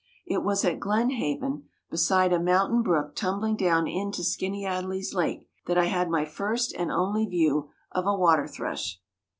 It was at Glen Haven, beside a mountain brook tumbling down into Skaneateles Lake that I had my first and only view of a water thrush.